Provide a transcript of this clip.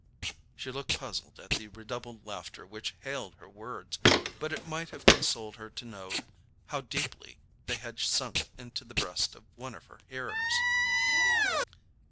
She looked puzzled at the redoubled laughter which hailed her words, but it might have consoled her to know how deeply they had sunk into the breast of one of her hearers.